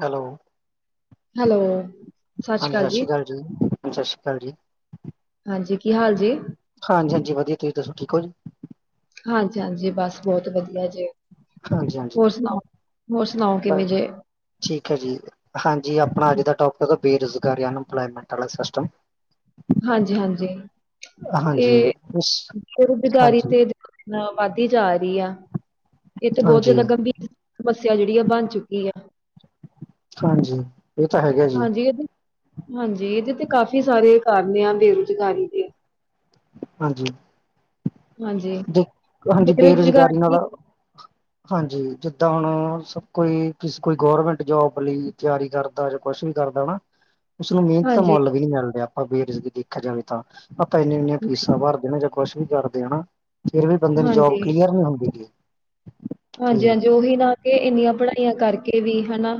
Hello. Hello. ਸਤਿ ਸ਼੍ਰੀ ਹਾਂਜੀ, ਅਕਾਲ ਸਸ਼੍ਰੀ ਕਾਲ ਜੀ, ਸਸ਼੍ਰੀ ਕਾਲ ਜੀ। ਹਾਂਜੀ, ਕੀ ਹਾਲ ਜੇ? ਹਾਂਜੀ, ਹਾਂਜੀ ਵਦੀਆ, ਤੂਸੀ ਦੱਸੋ ਠੀਕ ਓ ਜੀ? ਹਾਂਜੀ, ਹਾਂਜੀ ਬਾੱਸ ਬੋਤ ਵਦੀਆ ਜੀ। ਹਾਂਜੀ ਹਾਂਜੀ ਹੋਰ ਸੁਨਾਓ, ਹੋਰ ਸੁਨਾਓ ਕਿਵੇਂ ਬਸ ਜੇ? ਠੀਕ ਹੈ ਜੀ। ਹਾਂਜੀ, ਆਪਣਾ ਆੱਜ ਦਾ ਟੋਪਿਕ ਬੇਰੁਜ਼ਗਾਰੀ, ਅਨਇੰਪਲਇਮੈਂਟ ਆਲਾ ਸਿਸਟਮ। ਹਾਂਜੀ, ਹਾਂਜੀ ਹਾਂਜੀ ਏ ਉਸ ਬਰੁਜਗਾਰੀ ਹਾਂਜੀ ਤੇ ਨਾ ਵਾੱਦੀ ਜਾ ਰੀ ਆ। ਏ ਤੇ ਬੋਤ ਹਾਂਜੀ ਜਾਦਾ ਗੰਭੀਰ ਸਮੱਸੇਆ ਜੇੜੀ ਆ ਬਾੱਨ ਚੁੱਕੀ ਆ। ਹਾਂਜੀ। ਇਹ ਤਾਂ ਹੈਗਾ ਜੀ ਹਾਂਜੀ, ਏਦੇ ਹਾਂਜੀ, ਏਦੇ ਤੇ ਕਾਫ਼ੀ ਸਾਰੇ ਕਾਰਨ ਆ ਬੇਰੁਜ਼ਗਾਰੀ ਦੇ। ਹਾਂਜੀ, ਹਾਂਜੀ ਦੇ ਹਾਂਜੀ ਬੇਰੁਜ਼ਗਾਰੀ ਨਾਲੋਂ ਹਾਂਜੀ ਜਿੱਦਾਂ ਹੁਣ ਸਬ ਕੋਈ, ਕਿਸ ਕੋਈ ਗੌਰਮੈਂਟ ਜੋਬ ਲਈ ਤਿਆਰੀ ਕਰਦਾ ਜਾਂ ਕੁੱਛ ਵੀ ਕਰਦਾ ਨਾ [inaudible] ਉਸਨੂੰ ਮੇਹਨਤ ਦਾ ਹਾਂਜੀ, ਮੁੱਲ ਵੀ ਨੀ ਮਿਲ ਰੇਆ, ਆਪਾਂ ਬੇਰੁਜ਼ਗੀ ਦੇਖਾ ਜਾਵੇ ਤਾ, ਆਪਾਂ ਇੰਨੀਆਂ-ਇੰਨੀਆਂ ਫੀਸਾਂ ਭਾਰਦੇ ਨਾ ਜਦ ਕੁੱਛ ਵੀ ਕਰਦੇ ਹਾ ਨਾ, ਫੇਰ ਵੀ ਬੰਦੇ ਨੂੰ ਜੋਬ ਹਾਂਜੀ, ਕਲੀਅਰ ਨੀ ਹੁੰਦੀ ਗੀ। ਤੇ ਹਾਂਜੀ, ਹਾਂਜੀ ਓਹੀ ਨਾ ਕਿ ਇੰਨੀਆਂ ਪੜਾਈਆਂ ਕਾਰਕੇ ਵੀ, ਹਨਾ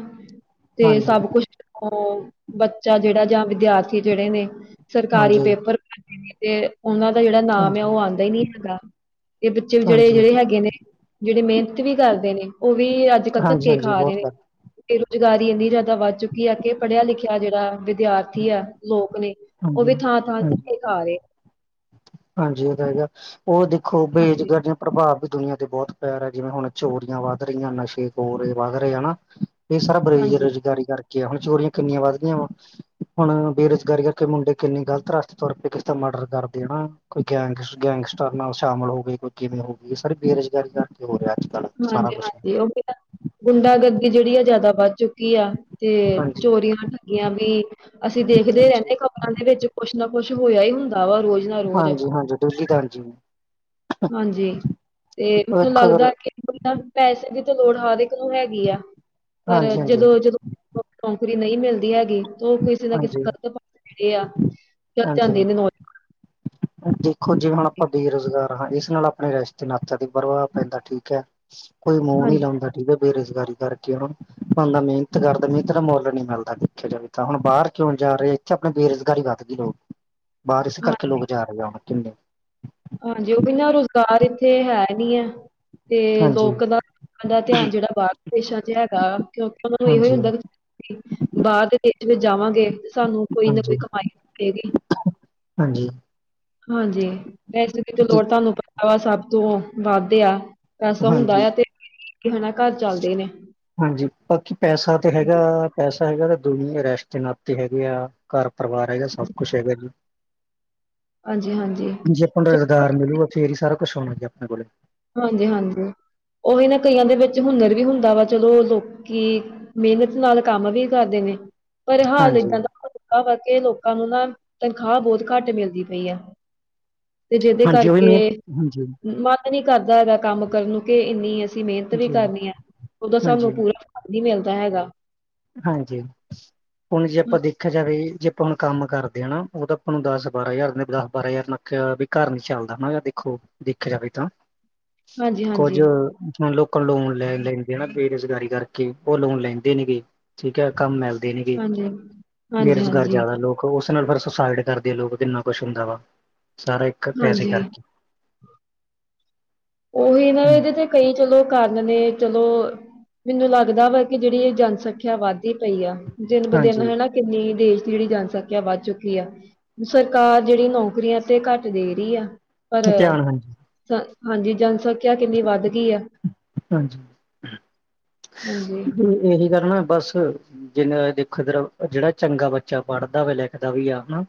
ਤੇ ਹਾਂਜੀ ਸਬ ਕੁੱਛ ਓ ਬੱਚਾ ਜੇੜਾ ਜਾਂ ਵਿਦਿਆਰਥੀ ਜੇੜੇ ਨੇ, ਸਰਕਾਰੀ ਹਾਂਜੀ ਪੇਪਰ ਤੇ ਓਨਾਂ ਦਾ ਜੇੜਾ ਨਾਮ ਹਾਂਜੀ ਏ, ਓ ਆਂਦੈ ਈ ਨੀ ਹੈਗਾ, ਤੇ ਬੱਚੇ ਵਚਾਰੇ ਹਾਂਜੀ ਜੇੜੇ ਹੈਗੇ ਨੇ ਜੇੜੇ ਮੇਹਨਤ ਵੀ ਕਾਰਦੇ ਨੇ, ਓ ਵੀ ਅੱਜ-ਕੱਲ ਹਾਂਜੀ ਧੱਕੇ ਹਾਂਜੀ ਖਾ ਰੇ ਬਹੁਤ ਨੇ। ਵਧ ਬੇਰੋਜਗਾਰੀ ਇੰਨੀ ਜਾਦਾ ਵੱਧ ਚੁੱਕੀ ਆ, ਕਿ ਪੜੇਆ ਲਿਖੇਆ ਜੇੜਾ ਵਿਦਿਆਰਥੀ ਆ, ਲੋਕ ਨੇ ਓ ਵੀ ਹਾਂਜੀ ਥਾਂ-ਥਾਂ ਹਾਂਜੀ ਧੱਕੇ ਖਾ ਰੇ ਐ। ਹਾਂਜੀ ਓਦਾ ਹੈਗਾ, ਓ ਦੇਖੋ ਹਾਂਜੀ ਬੇਜਗਾਜਾਂ ਪ੍ਰਭਾਵ ਵੀ ਦੁਨੀਆਂ ਤੇ ਬੋਤ ਪੈ ਰੇਆ, ਜਿਵੇਂ ਹੁਣ ਚੋਰੀਆਂ ਵਾੱਧ ਰੀਆਂ, ਨਸ਼ੇ ਹੋ ਰੇ ਵੱਧ ਰੇ, ਹਨਾ ਏ ਸਬ ਹਾਂਜੀ ਬਰੇਰੁਜਗਾਰੀ ਕਾਰਕੇ ਐ, ਹੁਣ ਚੋਰੀਆਂ ਕਿੰਨੀਆਂ ਵੱਧ ਰੀਆਂ ਵਾਂ। ਹੁਣ ਬੇਰੁਜਗਾਰੀ ਕਾਰਕੇ ਮੁੰਡੇ ਕਿੰਨੇ ਗ਼ਲਤ ਰਾਸਤੇ ਤੁਰ ਪੇ, ਕਿਸੀ ਦਾ ਮਰਡਰ ਕਰਦੇਣਾ ਕੋਈ ਗੈਂਗਸ ਗੈਂਗਸਟਰ ਨਾਲ ਸ਼ਾਮਿਲ ਹੋ ਗਏ, ਕੋਈ ਕਿਵੇਂ ਹੋ ਗੇ, ਸਰ ਬੇਰੁਜ਼ਗਾਰੀ ਕਾਰਕੇ ਹੋ ਰੇਐ ਅੱਜ। ਕੱਲ੍ਹ ਸਾਰਾ ਹਾਂਜੀ, ਕੁਛ ਹਾਂਜੀ ਓ [unintelligible] ਗੁੰਡਾ ਗਰਦੀ ਜੇੜੀ ਆ ਜਾਦਾ ਵਾੱਧ ਚੁੱਕੀ ਆ। ਤੇ ਹਾਂਜੀ ਚੋਰੀਆਂ-ਠੱਗੀਆਂ ਵੀ ਅਸੀ ਦੇਖਦੇ ਹਾਂਜੀ ਰੈਨੇ ਆਂ ਆਂਦੇ ਵਿੱਚ ਕੁੱਛ ਨਾ ਕੁੱਛ ਹੋਏਆ ਈ ਹੁੰਦਾ ਵਾ ਰੋਜ। ਹਾਂਜੀ, ਹਾਂਜੀ ਡੇਲੀ ਦਰਜ ਨੇ। ਹਾਂਜੀ ਤੇ ਮੈਨੂੰ ਅਗਰ ਲਗਦੈ ਕੇ ਬੰਦਾ ਪੈਸੇ ਦੀ ਤੇ ਲੋੜ ਹਰ ਇਕ ਨੂੰ ਹੈਗੀ ਆ ਪਰ ਹਾਂਜੀ ਹਾਂਜੀ ਜਦੋਂ-ਜਦੋਂ ਨੌਕਰੀ ਨਹੀ ਮਿਲਦੀ ਹੈਗੀ ਤੇ ਓ ਕਿਸੀ ਨਾ ਕਿਸੀ ਹਾਂਜੀ ਗਲਤ ਪਾਸੇ ਜੇੜੇ ਆ, ਚਲ ਜਾਂਦੇ ਹਾਂਜੀ ਨੇ ਨੌਜ ਦੇਖੋ ਜੇ ਹੁਣ ਆਪਾਂ ਬੇਰੁਜ਼ਗਾਰ ਹਾਂ ਇਸ ਨਾਲ ਆਪਣੇ ਰਿਸ਼ਤੇ ਨਾਤੇਆਂ ਤੇ ਪ੍ਰਭਾਵ ਪੈਂਦਾ, ਠੀਕ ਐ। ਕੋਈ ਮੂੰਹ ਨੀ ਹਾਂਜੀ ਲਾਂਦਾ। ਠੀਕ ਐ ਬੇਰੁਜ਼ਗਾਰੀ ਕਾਰਕੇ ਹੁਣ ਬੰਦਾ ਮੇਹਨਤ ਕਾਰਦਾ, ਮੇਹਨਤ ਦਾ ਮੁੱਲ ਨੀ ਮਿਲਦਾ ਦੇਖੇਆ ਜਾਵੇ ਤਾਂ ਹੁਣ ਬਾਰ ਕਿਉਂ ਜਾ ਰੇ, ਇੱਥੇ ਆਪਣਾ ਬੇਰੁਜ਼ਗਾਰੀ ਵੱਧ ਗੀ ਲੋਕ, ਬਾਰ ਇਸ ਹਾਂ ਕਾਰਕੇ ਲੋਕ ਜਾ ਰੇ ਆ ਹੁਣ ਕਿੰਨੇ ਹਾਂਜੀ, ਓ ਈ ਨਾ ਰੁਜ਼ਗਾਰ ਇੱਥੇ ਹੈ ਨੀ ਹੈ ਤੇ ਹਾਂਜੀ ਲੋਕ ਦਾ, [unintelligible] ਦਾ ਧੇਆਨ ਜੇੜਾ ਬਾਹਰਲੇ ਦੇਸ਼ਾਂ ਚ ਹੈਗਾ ਕਿਉਂਕਿ ਓਨਾ ਨੂੰ ਏਹੋ ਈ ਹਾਂਜੀ ਹੁੰਦਾ ਕਿ ਬਾਰ ਦੇ ਦੇਸ਼ ਵਿੱਚ ਜਾਵਾਂਗੇ ਸਾਨੂੰ ਕੋਈ ਨਾ ਹਾਂਜੀ ਕੋਈ ਕਮਾਈ ਮਿਲੇਗੀ। ਹਾਂਜੀ ਹਾਂਜੀ, ਪੈਸੇ ਦੀ ਤੇ ਜੀ ਲੋੜ ਤੂਆਨੂੰ ਪਤਾ, ਸਬ ਤੋਂ ਵਾੱਧ ਆ। ਪੈਸਾ ਹੁੰਦਾ ਹਾਂਜੀ ਆ ਤੇ [unintelligible] ਨਾ ਘਾਰ ਚਾੱਲਦੇ ਨੇ। ਹਾਂਜੀ, ਬਾਕੀ ਪੈਸਾ ਤੇ ਹੈਗਾ, ਪੈਸਾ ਹੈਗਾ ਤਾ ਦੁਨੀਆਂ ਰੈਸ਼ਤੇ ਨਾਤੇ ਹੈਗੇ ਆ। ਘਰ ਪਰਿਵਾਰ ਹੈਗਾ ਸਭ ਕੁਛ ਹੈਗਾ ਹਾਂਜੀ ਹਾਂਜੀ ਜੇ ਆਪਾਂ ਨੂੰ ਚਲੋ ਰੁਜ਼ਗਾਰ ਮਿਲੂਗਾ ਫੇਰ ਹੀ ਸਾਰਾ ਕੁਛ ਹੋਣਾ ਜ ਆਪਣੇ ਕੋਲ ਹਾਂਜੀ ਹਾਂਜੀ ਉਹੀ ਨਾ ਕਈਆਂ ਦੇ ਵਿੱਚ ਹੁਨਰ ਵੀ ਹੁੰਦਾ ਵਾ ਚਲੋ ਲੋਕੀ ਮਿਹਨਤ ਨਾਲ ਕੰਮ ਵੀ ਕਰਦੇ ਨੇ ਪਰ ਹਾਲ ਹਾਂਜੀ ਏਦਾਂ ਦਾ ਕਰਕੇ ਲੋਕਾਂ ਨੂੰ ਨਾ ਤਨਖਾਹ ਬਹੁਤ ਘੱਟ ਮਿਲਦੀ ਪਈ ਹੈ ਤੇ ਜਿਹਦੇ ਹਾਂਜੀ ਉਹ ਵੀ ਕਰਕੇ ਮਿਹਨਤ ਹਾਂਜੀ ਮ ਨੀ ਕਰਦਾ ਹੈਗਾ ਕੰਮ ਕਰਨ ਨੂੰ ਕਿ ਇੰਨੀ ਅਸੀਂ ਮਿਹਨਤ ਵੀ ਜੀ ਕਰਨੀ ਹੈ ਉਦੋਂ ਹਾਂਜੀ ਸਾਨੂੰ ਪੂਰੀ ਨਹੀਂ ਮਿਲਦਾ ਹੈਗਾ ਹਾਂਜੀ ਹੁਣ ਜੇ ਆਪਾਂ ਦੇਖਿਆ ਜਾਵੇ ਜੇ ਆਪਾਂ ਹੁਣ ਕੰਮ ਕਰਦੇ ਹ ਨਾ ਉਹ ਤਾਂ ਆਪਾਂ ਨੂੰ ਦਸ ਬਾਰਾਂ ਹਜ਼ਾਰ ਦਸ ਬਾਰਾਂ ਹਜ਼ਾਰ ਲੱਕ ਵੀ ਘਰ ਨੀ ਚੱਲਦਾ ਨਾ ਯ ਦੇਖੋ ਦੇਖ ਜਾਵੇ ਤਾਂ ਹਾਂਜੀ-ਹਾਂਜੀ, ਕੁੱਝ ਹਣ ਲੋਕਾਂ ਲੋਨ ਲੈ ਲੈਂਦੇ ਆ ਨਾ ਬੇਰੁਜ਼ਗਾਰੀ ਕਰਕੇ ਉਹ ਲੋਨ ਲੈਂਦੇ ਨੇਗੇ ਠੀਕ ਹੈ ਕੰਮ ਮਿਲਦੇ ਨੇ ਗ ਹਾਂਜੀ, ਹਾਂਜੀ-ਹਾਂਜੀ, ਹਾਂਜੀ। ਹਾਂਜੀ ਬੇਰੁਜ਼ਗਾਰ ਹਾਂਜੀ ਜ਼ਿਆਦਾ ਲੋਕ ਉਸ ਨਾਲ ਫਿਰ ਸੁਸਾਈਡ ਕਰਦੇ ਲੋਕ ਕਿੰਨਾ ਕੁਛ ਹੁੰਦਾ ਵਾ ਸਾਰਾ ਇੱਕ ਪੈਸੇ ਹਾਂਜੀ ਕਰਕੇ ਉਹੀ ਨਾ ਇਹਦੇ ਤੇ ਕਈ ਚਲੋ ਕਰਨ ਨੇ ਚਲੋ ਮੈਨੂੰ ਲੱਗਦਾ ਵਾ ਕਿ ਜਿਹੜੀ ਇਹ ਜਨਸੰਖਿਆ ਵੱਧਦੀ ਪਈ ਆ ਦਿਨ ਬ ਦਿਨ ਹਾਂਜੀ ਹਨਾ ਕਿੰਨੀ ਦੇਸ਼ ਦੀ ਜਿਹੜੀ ਜਨਸੰਖਿਆ ਵੱਧ ਚੁੱਕੀ ਆ ਸਰਕਾਰ ਜਿਹੜੀ ਨੌਕਰੀਆਂ ਤੇ ਘੱਟ ਦੇ ਰਹੀ ਆ ਪਰ ਧਿਆਨ ਹਾਂਜੀ ਹਾਂਜੀ ਜਨਸੰਖਿਆ ਕਿੰਨੀ ਵੱਧ ਗਈ ਆ ਹਾਂਜੀ ਹਾਂਜੀ ਇਹੀ ਕਰਨਾ ਬਸ ਜਿਨ ਦੇਖੋ ਜਿਹੜਾ ਚੰਗਾ ਬੱਚਾ ਪੜ੍ਹਦਾ ਵ ਲਿਖਦਾ ਵੀ ਆ ਹਨਾ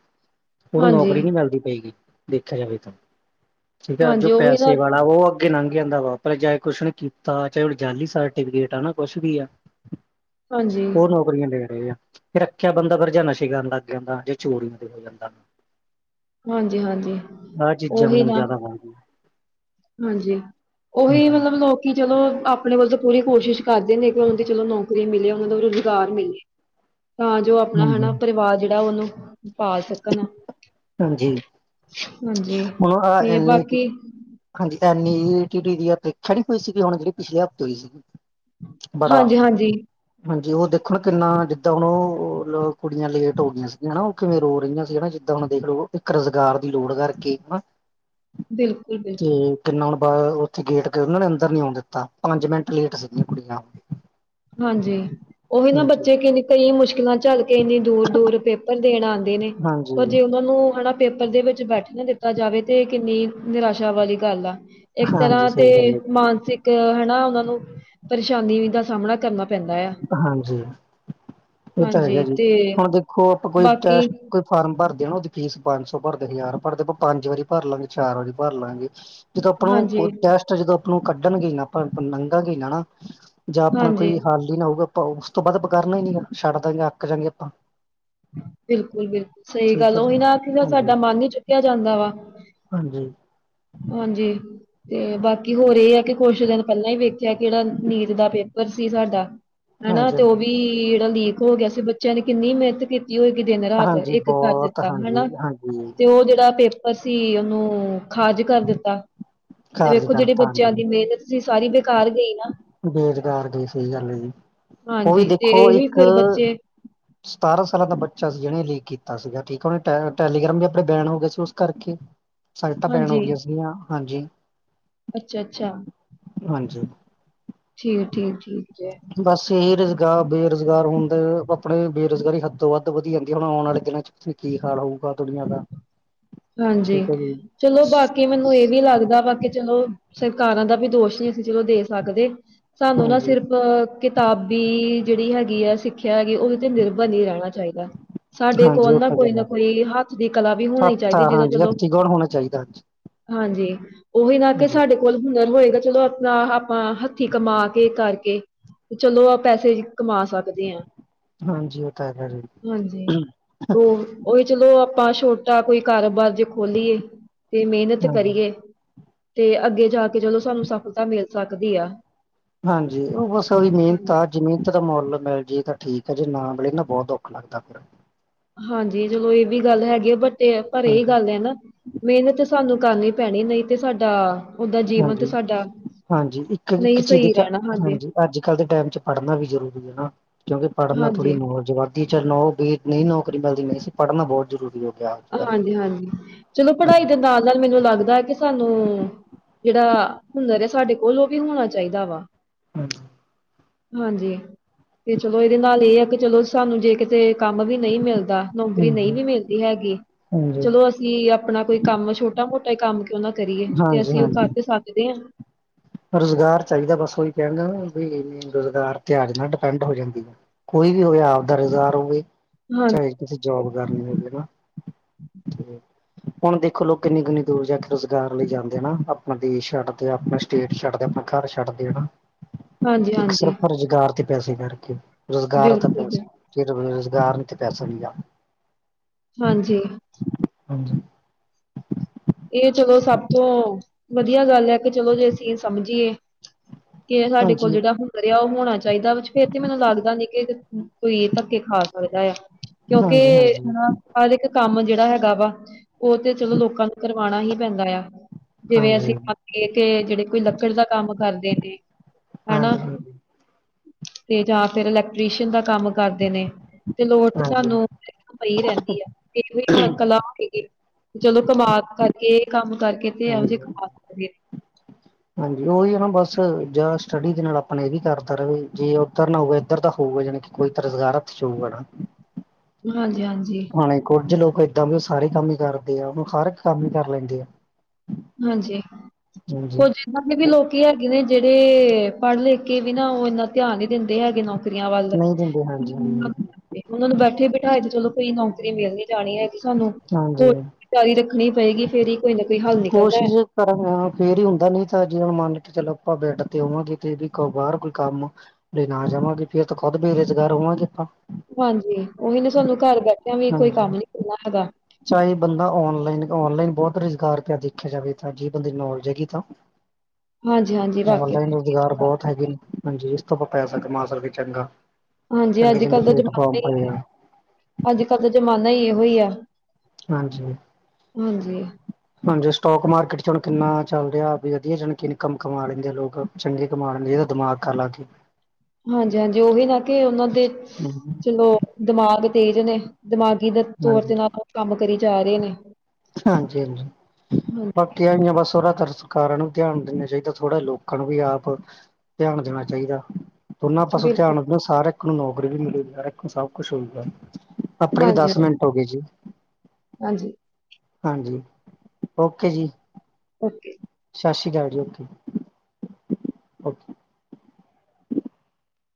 ਉਹਨੂੰ ਹਾਂਜੀ ਨੌਕਰੀ ਨੀ ਮਿਲਦੀ ਪਏਗੀ ਦੇਖਿਆ ਜਾਵੇ ਤਾਂ ਠੀਕ ਆ ਜੋ ਹਾਂਜੀ ਉਹੀ ਨਾ ਪੈਸੇ ਵਾਲਾ ਉਹ ਅ ਅੱ ਲੰਘ ਜਾਂਦਾ ਵਾਪ ਚਾਹੇ ਕੁਛ ਨੇ ਕੀਤਾ ਚਾਹੇ ਉਜੀ ਸਰਟੀਫਿਕੇਟ ਆ ਨਾ ਕੁਛ ਵੀ ਆ ਹਾਂਜੀ ਹੋਨ ਓਹਦੀਆਂ ਦੇ ਰਹੇ ਆ ਫਿਰ ਰੱਖਿਆ ਬੰਦਾ ਪਰ ਜਾਂ ਨਸ਼ੇ ਕਰਨ ਲੱਗ ਜਾਂਦਾ ਜੇ ਚੋਰੀਆਂ ਦੇ ਹੋ ਜਾਂਦਾ ਹਾਂਜੀ ਹਾਂਜੀ ਆਹ ਚੀਜ਼ਾਂ ਓਹੀ ਹੁਣ ਨਾ ਜ਼ਿਆਦਾ ਹੋ ਗਈਆਂ। ਹਾਂਜੀ ਉਹੀ ਮਤਲਬ ਲੋਕ ਕਿ ਚਲੋ ਆਪਣੇ ਵੱਲ ਤਾਂ ਪੂਰੀ ਕੋਸ਼ਿਸ਼ ਕਰਦੇ ਨੇ ਕਿ ਉਹਨਾਂ ਦੀ ਚਲੋ ਨੌਕਰੀ ਮਿਲੇ ਉਹਨਾਂ ਨੂੰ ਰੁਜ਼ਗਾਰ ਮਿਲੇ ਤਾਂ ਜੋ ਆਪਣਾ ਹਾਂਜੀ। ਹਨਾ ਪਰਿਵਾਰ ਜਿਹੜਾ ਉਹਨੂੰ ਪਾਲ ਸਕਣ ਹਾਂਜੀ ਹਾਂਜੀ ਹੁਣ ਆਹ ਤੇ ਐਨ ਈ ਟੀ ਬਾਕੀ ਹਾਂਜੀ ਤਾਂ ਦੀ ਪ੍ਰੀਖਿਆ ਹੋਈ ਸੀਗੀ ਹੁਣ ਜਿਹੜੀ ਪਿਛਲੇ ਹਫ਼ਤੇ ਹੋਈ ਸੀਗੀ ਬੜਾ ਹਾਂਜੀ-ਹਾਂਜੀ ਹਾਂਜੀ ਉਹ ਦੇਖੋ ਨਾ ਕਿੰਨਾ ਜਿੱਦਾਂ ਹੁਣ ਉਹ ਕੁੜੀਆਂ ਲੇਟ ਹੋ ਗਈਆਂ ਸੀਗੀਆਂ ਉਹ ਕਿਵੇਂ ਰੋ ਰਹੀਆਂ ਸੀ ਨਾ ਹੁਣ ਦੇਖ ਲਓ ਇੱਕ ਰੁਜ਼ਗਾਰ ਦੀ ਲੋੜ ਕਰਕੇ ਹਨਾ ਬਿਲਕੁਲ ਬਿਲਕੁਲ ਤੇ ਕਿੰਨਾ ਹੁ ਬਾ ਉੱਥੇ ਗੇਟ ਕੇ ਉਹਨਾਂ ਨੇ ਅੰਦਰ ਨੀ ਆਉਣ ਦਿੱਤਾ ਪੰਜ ਮਿੰਟ ਲੇਟ ਸੀਗੀਆਂ ਕੁੜੀਆਂ ਹਾਂਜੀ ਉਹੀ ਨਾ ਹਾਂਜੀ, ਬੱਚੇ ਕਿ ਕਈ ਮੁਸ਼ਕਿਲਾਂ ਝੱਲ ਕੇ ਇੰਨੀ ਦੂਰ ਦੂਰ ਪੇ ਦੇਣ ਆਉਂਦੇ ਨੇ ਹਾਂਜੀ, ਪਰ ਜੇ ਉਹਨਾਂ ਨੂੰ ਹਨਾ ਪੇਪਰ ਦੇ ਵਿੱਚ ਬੈਠ ਨਾ ਦਿੱਤਾ ਜਾਵੇ ਤੇ ਕਿੰਨੀ ਨਿਰਾਸ਼ਾ ਵਾਲੀ ਗੱਲ ਆ ਇੱਕ ਹਾਂਜੀ ਤਰ੍ਹਾਂ ਤੇ ਸਹੀ ਗੱਲ ਹੈ ਮਾਨਸਿਕ ਹਨਾ ਉਹਨਾਂ ਨੂੰ ਪਰੇਸ਼ਾਨੀ ਦਾ ਸਾਹਮਣਾ ਕਰਨਾ ਪੈਂਦਾ ਆ। ਹਾਂਜੀ ਇਹ ਤਾਂ ਹੈਗਾ ਹਾਂਜੀ ਜੀ ਤੇ ਹੁਣ ਦੇਖੋ ਆਪਾਂ ਬਾਕੀ ਕੋਈੈ ਫਾਰਮ ਭਰਦੇ ਨਾ ਉਹਦੀ ਫੀਸ ਪੰਜ ਸੌ ਭਰਦੇ ਹਜ਼ਾਰ ਭਰਦੇਾਂ ਪੰਜ ਵਾਰੀ ਭਰ ਲਾਂਗੇ ਚਾਰ ਵਾਰੀ ਭਰ ਲਾਂਗੇ ਜਦੋਂ ਆਪਾਂ ਨੂੰ ਹਾਂਜੀ-ਹਾਂਜੀ। ਟੈਸਟ ਜਦੋਂ ਆਪਾਂ ਨੂੰ ਕੱਢਣਗੇ ਨਾ ਆਪਾਂ ਲੰਘਾਂਗੇ ਨਾ ਨਾ ਜਾਂ ਆਪਣਾ ਕੋਈ ਹਾਲ ਹੀ ਨਾ ਹੋਊਗਾ ਆਪਾਂ ਉਸ ਤੋਂ ਬਾਅਦ ਪ ਕਰਰਨਾ ਹੀ ਨੀ ਛੱਡ ਦਗੇ ਅੱਕ ਜਾਂਗੇ ਆਪਾਂ ਬਿਲਕੁਲ ਬਿਲਕੁਲ ਸਹੀ ਠੀਕ ਗੱਲ ਹੈ ਜੀ ਉਹੀ ਨਾ ਦਾ ਹਾਂਜੀ ਸਾਡਾ ਮਨ ਹੀ ਚੁੱਕਿਆ ਜਾਂਦਾ ਵਾ ਹਾਂਜੀ ਹਾਂਜੀ ਤੇ ਬਾਕੀ ਹੋਰ ਇਹ ਆ ਕਿ ਕੁਛ ਦਿਨ ਪਹਿਲਾਂ ਹੀ ਵੇਖਿਆ ਕਿਹੜਾ ਨੈਟ ਦਾ ਪੇਪਰ ਸੀ ਸਾਡਾ ਹਨਾ ਤੇ ਹਾਂਜੀ ਉਹ ਵੀ ਜਿਹੜਾ ਲੀਕ ਹੋ ਗਿਆ ਸੀ ਬੱਚਿਆਂ ਨੇ ਕਿੰਨੀ ਮਿਹਨਤ ਕੀਤੀ ਉਹ ਇੱਕ ਦਿਨ ਰਾਤ ਹਾਂਜੀ ਇੱਕ ਕਰ ਬਹੁਤ ਦਿੱਤਾ ਹਾਂਜੀ ਹਨਾ ਹਾਂਜੀ ਤੇ ਉਹ ਜਿਹੜਾ ਪੇਪਰ ਅਸੀਂ ਉਹਨੂੰ ਖਾਜ ਕਰ ਦਿੱਤਾ ਤੇ ਕਾਰਜ ਵੇਖੋ ਜਿਹੜੀ ਕਰਤਾ ਬੱਚਿਆਂ ਦੀ ਹਾਂਜੀ ਮਿਹਨਤ ਜੀ ਸਾਰੀ ਬੇਕਾਰ ਗਈ ਨਾ ਬੇਰੁਜ਼ਗਾਰ ਦੀ ਸੀ ਗੱਲ ਆ ਜੀਉਹ ਵੀ ਹਾਂਜੀ ਤੇ ਦੇਖੋ ਇਹੀ ਇੱਕ ਫਿਰ ਬੱਚੇ ਸਤਾਰਾਂ ਸਾਲਾਂ ਦਾ ਬੱਚਾ ਸੀ ਜਿਹਨੇ ਲੀਕ ਕੀਤਾ ਸੀਗਾ ਠੀਕ ਉਹਨੇ ਟੈਲੀਗ੍ਰਾਮ ਵੀ ਆਪਣੇ ਬੈਨ ਹੋ ਗਏ ਸੀ ਉਸ ਕਰਕੇ ਸਟਾਂ ਪੈਣ ਹੋ ਹਾਂਜੀ ਗਈਆਂ ਸੀਗੀਆਂ ਹਾਂਜੀ ਅੱਛਾ ਅੱਛਾ ਹਾਂਜੀ ਠੀਕ ਠੀਕ ਠੀਕ ਹੈ ਬਸ ਇਹੀ ਰੁਜ਼ਗਾਰ ਬੇਰੁਜ਼ਗਾਰ ਹੋਣ ਦੇ ਆਪਣੇ ਬੇਰੁਜ਼ਗਾਰੀ ਹੱਦ ਤੋਂ ਵੱਧ। ਧ ਵਧੀ ਜਾਂਦੀ ਹੈ ਹੁਣ ਆਉਣ ਵਾਲੇ ਦਿਨਾਂ ਚ ਤੁਸੀਂ ਕੀ ਹਾਲ ਹੋਊਗਾ ਦੁਨੀਆਂ ਦਾ ਹਾਂਜੀ ਠੀਕ ਹੈ ਜੀ ਚਲੋ ਬਾਕੀ ਮੈਨੂੰ ਇਹ ਵੀ ਲੱਗਦਾ ਬਾਕ ਚਲੋ ਸਰਕਾਰਾਂ ਦਾ ਵੀ ਦੋਸ਼ ਨਹੀਂ ਅਸੀਂ ਚਲੋ ਦੇ ਸਕਦੇ ਸਾਨੂੰ ਨਾ ਹਾਂਜੀ ਸਿਰਫ ਕਿਤਾਬੀ ਜਿਹੜੀ ਹੈਗੀ ਆ ਸਿੱਖਿਆ ਹੈਗੀ ਉਹਦੇ ਤੇ ਨਿਰਭਰ ਨਹੀਂ ਰਹਿਣਾ ਚਾਹੀਦਾ ਸਾਡੇ ਹਾਂਜੀ ਕੋਲ ਉਹ ਨਾ ਤਾਂ ਕੋਈ ਗੱਲ ਨਾ ਹੈ ਕੋਈ ਹੱਥ ਦੀ ਕਲਾ ਵੀ ਹੋਣਾ ਹੱਥ ਜਿਸ ਹਾਂਜੀ ਚਲੋ ਹੱਥੀਂ ਕੌਣ ਹੋਣਾ ਚਾਹੀਦਾ ਹਾਂਜੀ ਹਾਂਜੀ ਉਹੀ ਨਾ ਕਿ ਹਾਂਜੀ ਸਾਡੇ ਕੋਲ ਹੁਨਰ ਹੋਏਗਾ ਚਲੋ ਆਪਣਾ ਆਪਾਂ ਹੱਥੀਂ ਕਮਾ ਕੇ ਕਰਕੇ ਤੇ ਚਲੋ ਆਪ ਪੈਸੇ ਹੀ ਕਮਾ ਸਕਦੇ ਹ। ਹਾਂਜੀ ਉਹ ਤਾਂ ਹੈਗਾ ਜੀ ਹਾਂਜੀ ਉਹ ਉਹੀ ਚਲੋ ਆਪਾਂ ਛੋਟੇ ਆ ਕੋਈ ਕਾਰੋਬਾਰ ਜੇ ਖੋਲੀਏ ਤੇ ਮਿਹਨਤ ਹਾਂਜੀ ਕਰੀਏ ਤੇ ਅੱਗੇ ਜਾ ਕੇ ਚਲੋ ਸਾਨੂੰ ਸਫਲਤਾ ਮਿਲ ਸਕਦੀ ਆ ਹਾਂਜੀ। ਉਹ ਬਸ ਉਹਦੀ ਮਿਹਨਤ ਹਾਂਜੀ, ਹ। ਜਿਮੀਨਤ ਤਾਂ ਮੁੱਲ ਮਿਲ ਜਏ ਤਾਂ ਠੀਕ ਹੈ ਜੇ ਨਾ ਮਿਲੀ ਨਾ ਬੋਤ ਔਖਾ ਲੱਗਦਾ ਫਿਰ। ਹਾਂਜੀ ਚਲੋ ਇਹ ਵੀ ਗੱਲ ਹੈਗੀ ਆ ਬਟ ਪਰ ਇਹੀ ਹਾਂਜੀ ਗੱਲ ਹੈ ਨਾ। ਮਿਹਨਤ ਸਾਨੂੰ ਕਰਨੀ ਪੈਣੀ ਨਹੀਂ ਤੇ ਸਾਡਾ ਓਦਾ ਜੀਵਨ ਤੇ ਹਾਂਜੀ ਸਾਡਾ ਹਾਂਜੀ ਇੱਕ ਨਹੀਂ ਇੱਕ ਚੀਜ਼ ਦੇ ਸਹੀ ਰਹਿਣਾ ਹਾਂਜੀ ਅੱਜ ਕੱਲ੍ਹ ਦੇ ਟਾਈਮ ਚ ਪੜ੍ਹਨਾ ਵੀ ਜ਼ਰੂਰੀ ਹੈ ਨਾ ਕਿਉਂਕਿ ਪੜ੍ਹਨਾ ਥੋੜੀ ਹਾਂਜੀ, ਨੌਲਜ ਵੱਧਦੀ ਚ ਨੌ ਨਹੀਂ ਨੌਕਰੀ ਮਿਲਦੀ ਨਹੀਂ ਸੀ ਪੜ੍ਹਨਾ ਬਹੁਤ ਜ਼ਰੂਰੀ ਹੋ ਗਿਆ ਅੱਜ ਕੱਲ੍ਹ ਹਾਂਜੀ ਹਾਂਜੀ ਚਲੋ ਪੜ੍ਹਾਈ ਹਾਂਜੀ ਦੇ ਨਾਲ ਨਾਲ ਮੈਨੂੰ ਲੱਗਦਾ ਹੈ ਕਿ ਸਾਨੂੰ ਜਿਹੜਾ ਹੁਨਰ ਆ ਸਾਡੇ ਕੋਲ ਉਹ ਵੀ ਹੋਣਾ ਚਾਈਦਾ ਵਾ ਹਾਂਜੀ। ਹਾਂਜੀ ਤੇ ਚਲੋ ਇਹਦੇ ਨਾਲ ਇਹ ਆ ਕਿ ਚਲੋ ਸਾਨੂੰ ਜੇ ਕਿਤੇ ਕੰਮ ਵੀ ਨਹੀਂ ਮਿਲਦਾ ਨੌਕਰੀ ਹਾਂਜੀ ਨਹੀਂ ਵੀ ਮਿਲਦੀ ਹੈਗੀ। ਹਾਂਜੀ ਚਲੋ ਅਸੀਂ ਆਪਣਾ ਕੋਈ ਕੰਮ ਛੋਟਾ ਮੋਟਾ ਕੰਮ ਕਿਉਂ ਨਾ ਕਰੀਏ ਤੇ ਅਸੀਂ ਉਹ ਕਰ। ਹਾਂਜੀ ਤੇ ਸੱਕਦੇ ਆ ਰੁਜ਼ਗਾਰ ਚਾਈਦਾ ਬਸ ਉਹੀ ਕਹਿਣਦਾ ਵੀ ਰੁਜ਼ਗਾਰ ਤੇ ਆਜ ਨਾਲ ਡਿਪੈਂਡ ਹੋ ਜਾਂਦੀ ਆ ਕੋਈ ਵੀ ਹੋਵੇ ਆਪ ਦਾ ਰੁਜ਼ਗਾਰ ਹੋਵੇ। ਹਾਂ ਚਾਏ ਕਿਸੇ ਜੋਬ ਕਰਨ ਹੈ। ਹੁਣ ਦੇਖੋ ਲੋਕ ਕਿੰਨੀ ਕਿੰਨੀ ਦੂਰ ਜਾ ਕੇ ਰੁਜ਼ਗਾਰ ਲਈ ਜਾਂਦੇ ਨਾ ਆਪਣਾ ਦੇਸ਼ ਛੱਡਦੇ ਆਪਣਾ ਸਟੇਟ ਛੱਡਦੇ ਆਪਣਾ ਘਰ ਛੱਡ ਦੇ ਨਾ ਹਾਂਜੀ ਇੱਕ ਹਾਂਜੀ ਸਿਰਫ ਰੁਜ਼ਗਾਰ ਤੇ ਪੈਸੇ ਕਰਕੇ ਰੁਜ਼ਗਾਰ ਤਾਂ ਬਿਲਕੁਲ ਬਿਲਕੁਲ ਪੈਸਾ ਰੁਜ਼ਗਾਰ ਨੀ ਤੇ ਪੈਸਾ ਨ ਆ ਹਾਂਜੀ ਹਾਂਜੀ ਇਹ ਚਲੋ ਸਭ ਤੋਂ ਵਧੀਆ ਗੱਲ ਹੈ ਕਿ ਚਲੋ ਜੇ ਅਸੀਂ ਸਮਝੀਏ ਕੇ ਸਾਡੇ ਕੋਲ ਹਾਂਜੀ ਜਿਹੜਾ ਹੁਨ ਰ ਆ ਉਹ ਹੋਣਾ ਚਾਹੀਦਾ ਫੇਰ ਤੇ ਮੈਨੂੰ ਲੱਗਦਾ ਨੀ ਕਿ ਕੋਈ ਧੱਕੇ ਖਾ ਸਕਦਾ ਆ ਕਿਉਂਕਿ ਹਾਂਜੀ ਹਾਂਜੀ ਹਨਾ ਹਰ ਇੱਕ ਕੰਮ ਜਿਹੜਾ ਹੈਗਾ ਵਾ ਉਹ ਤੇ ਚਲੋ ਲੋਕਾਂ ਨੂੰ ਕਰਵਾਣਾ ਹੀ ਪੈਂਦਾ ਆ ਜੀਵੇਂ ਹਾਂਜੀ ਅਸੀਂ ਮਕੇ ਜੇੜੇ ਕੋਈ ਲੱਕੜ ਦਾ ਕੰਮ ਕਰਦੇ ਨੇ, ਹਨਾ ਹਾਂਜੀ ਹਾਂਜੀ ਤੇ ਜਾਂ ਫੇਰ ਇਲੈਕਟ੍ਰੀਸ਼ੀਨ ਦਾ ਕੰਮ ਕਰਦੇ ਨੇ ਤੇ ਲੋੜ ਤੇ ਹਾਂਜੀ ਸਾਨੂੰ ਪਈ ਰੈਂਦੀ ਆ, ਕਈ ਵਰੀ ਕਲਾ ਹੋਗੀ ਚਲੋ ਕਮਾ ਕਰਕੇ ਕੰਮ ਕਰਕੇ ਤੇ ਏਓ ਜੇ ਖਾ ਹਾਂਜੀ ਓਈ ਆ ਨਾ ਬਸ ਜਾਂ ਸਟੱਡੀ ਦੇ ਨਾਲ ਆਪਣਾ ਏ ਵੀ ਕਰਦਾ ਰਵੇ ਜੇ ਓਦਰ ਨਾ ਹੋਵੇ ਏਧਰ ਦਾ ਹੋਵੇ ਜਾਣੀ ਕੇ ਕੋਈ ਤਾਂ ਰੁਜ਼ਗਾਰ ਹੱਥ ਚ ਹੋਊਗਾ ਨਾ [unintelligible] ਹਾਂਜੀ, ਹਾਂਜੀ। ਹੁਣੇ ਕੁੱਝ ਲੋਕ ਏਦਾਂ ਵੀ ਉਹ ਸਾਰੇ ਕੰਮ ਹੀ ਕਰਦੇ ਆ, ਉਹਨੂੰ ਹਰ ਇੱਕ ਕੰਮ ਹੀ ਕਰ ਲੈਂਦੇ ਆ ਹਾਂਜੀ। ਹਾਂਜੀ ਕੁਝ। ਨੇ ਵੀ ਲੋਕੀ ਹੈਗੇ ਨੇ ਜਿਹੜੇ, ਪੜ੍ਹ ਲਿਖ ਕੇ ਵੀ ਨਾ ਉਹ ਇੰਨਾ ਧਿਆਨ ਹੀ ਦਿੰਦੇ ਹੈਗੇ ਨਾ। ਨੌਕਰੀਆਂ ਵੱਲ, ਨਹੀਂ ਦਿੰਦੇ ਹਾਂਜੀ ਹਾਂਜੀ ਉਹਨਾਂ ਨੂੰ ਬੈਠੇ-ਬਿਠਾਏ ਤੇ ਚਲੋ, ਕੋਈ ਨੌਕਰੀ ਮਿਲ ਨੀ ਜਾਣੀ ਐ। ਸਾਨੂੰ, ਹੋਰ ਹਾਂਜੀ ਤਿਆਰੀ ਰੱਖਣੀ ਪਏਗੀ, ਫੇਰ ਕੋਈ ਨਾ ਕੋਈ ਹੱਲ ਨ ਨਹੀਂ। ਕੋਸ਼ਿਸ਼ ਫੇਰ ਹੀ ਹੁੰਦਾ, ਨੀ ਤਾਂ ਜਿਦਾ ਮੰਨ ਲ ਕੇ ਚਲੋ ਆਪਾਂ ਬੈਠ ਤੇ ਆਵਾਂਗੇ ਤੇ ਵੀ ਬਾਹਰ ਕੋਈ ਕੰਮ ਨਾ ਜਾਵਾਂਗੇ ਫੇਰ, ਤਾਂ ਖੁਦ ਬੇਰੁਜ਼ਗਾਰ ਹੋਵਾਂਗੇ ਆਪਾਂ ਹਾਂਜੀ, ਉਹੀ ਨੇ ਸਾਨੂੰ ਘਰ ਬੈਠਿਆਂ ਵੀ ਕੋਈ ਹਾਂਜੀ ਕੰਮ ਨੀ ਕਰਨਾ ਹੈਗਾ। ਚਾਹੇ ਬੰਦਾ ਔਨਲਾਈਨ, ਔਨਲਾਈਨ ਬਹੁਤ ਰੁਜ਼ਗਾਰ ਪਿਆ ਦੇਖਿਆ ਜਾਵੇ ਤਾਂ ਜੇ ਬੰਦੇ ਨੌਲੇਜ ਹੈਗੀ ਤਾਂ ਹਾਂਜੀ-ਹਾਂਜੀ ਵਾਕਿਆ। ਔਨਲਾਈਨ ਰੁਜ਼ਗਾਰ ਬਹੁਤ ਹੈਗੇ ਨੇ, ਹਾਂਜੀ। ਇਸ ਤੋਂ ਆਪਾਂ ਪੈਸਾ ਕਮਾ ਸਕਦੇ ਚੰਗਾ। ਹਾਂਜੀ ਚੰਗੇ ਅੱਜ ਚੰਗੇ ਕੱਲ ਦਾ ਪਲੇਟਫਾਰਮ ਜ਼ਮਾਨਾ ਪਏ ਹੀ, ਆ ਅੱਜ ਕਲ ਦਾ ਜ਼ਮਾਨਾ ਹੀ ਇਹੋ ਹੀ ਆ ਹਾਂਜੀ ਹਾਂਜੀ। ਹਾਂਜੀ ਸਟੋਕ ਮਾਰਕੀਟ 'ਚ ਹੁਣ ਕਿੰਨਾ ਚੱਲ ਰਿਹਾ, ਵੀ ਵਧੀਆ ਜਾਣੀ ਕਿ ਇਨਕਮ ਕਮਾ ਲੈਂਦੇ ਲੋਕ। ਚੰਗੇ ਕਮਾਉਣ ਲਈ ਇਹਦਾ ਦਿਮਾਗ ਅਲੱਗ। ਹਾਂਜੀ- ਹਾਂਜੀ ਉਹੀ ਨਾ, ਕਿ ਉਹਨਾਂ ਦੇ, ਚਲੋ ਦਿਮਾਗ ਤੇਜ਼ ਨੇ ਦਿਮਾਗੀ ਦੇ ਤੌਰ ਹਾਂਜੀ ਦੇ ਨਾਲ ਕੰਮ ਕਰੀ ਜਾ ਰਹੇ ਨੇ ਹਾਂਜੀ- ਹਾਂਜੀ, ਹਾਂਜੀ ਬਾਕੀ ਆਈਆਂ ਬਸ ਉਹ ਤਰਸੋਂ ਸਰਕਾਰਾਂ ਨੂੰ ਵੀ ਧਿਆਨ ਦੇਣਾ ਚਾਹੀਦਾ, ਥੋੜ੍ਹਾ ਲੋਕਾਂ ਨੂੰ ਵੀ ਆਪ, ਧਿਆਨ ਦੇਣਾ ਚਾਹੀਦਾ ਦੋਨਾਂ ਪਾਸੇ ਬਿਲਕੁਲ ਧਿਆਨ ਰ ਹਰ ਇੱਕ ਨੂੰ ਨੌਕਰੀ ਵੀ ਮਿਲੇਗੀ, ਹਰ ਇੱਕ ਨੂੰ ਸਭ ਕੁਛ ਹੋਏਗਾ, ਆਪਣੇ ਵੀ ਦੱਸ ਹਾਂਜੀ-ਹਾਂਜੀ, ਟੋ ਕੇ ਜੀ [unintelligible] ਹਾਂਜੀ। ਹਾਂਜੀ। ਓਕੇ ਜੀ। ਓਕੇ ਸਤਿ ਸ੍ਰੀ ਅਕਾਲ ਜੀ, ਓਕੇ ਅੱਛਾ